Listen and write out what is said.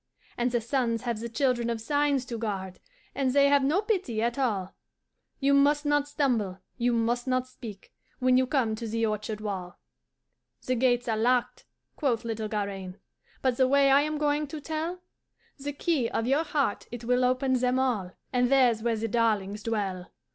"'And the suns have the Children of Signs to guard, And they have no pity at all You must not stumble, you must not speak, When you come to the orchard wall. "'The gates are locked,' quoth little Garaine, 'But the way I am going to tell? The key of your heart it will open them all: And there's where the darlings dwell!